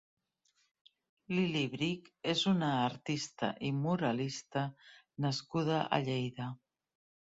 Lily Brick és una artista i muralista nascuda a Lleida.